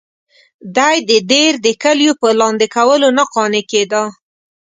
دی د دیر د کلیو په لاندې کولو نه قانع کېده.